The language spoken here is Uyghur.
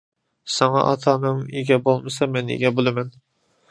ساڭا ئاتا-ئاناڭ ئىگە بولمىسا مەن ئىگە بولىمەن.